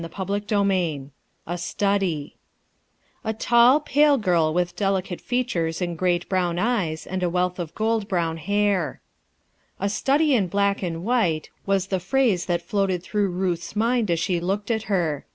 CHAPTER XXI "a study" A TALL, pale girl with delicate features and great brown eyes and a wealth of gold brown hair. "A study in black and white," was the phrase that Coated through Ruth's mind as she looked at her.